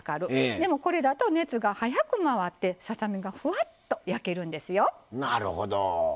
でも、これだと熱が早く回ってささ身が、ふわっと焼けるんですよ。